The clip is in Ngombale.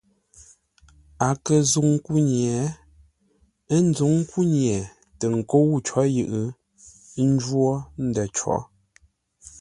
A kə̂ nzúŋ kúnye, ə́ nzǔŋ kúnye tə nkə́u có yʉʼ, ə́ njwó ndə̂ cǒ.